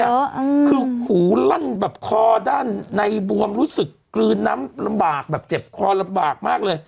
คือหูลั่นแบบคอด้านในบวมรู้สึกกลืนน้ำลำบากแบบเจ็บคอลำบากมากเลย